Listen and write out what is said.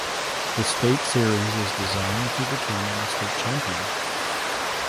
The State Series is designed to determine a State Champion.